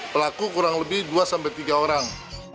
pelaku kurang lebih dua tiga orang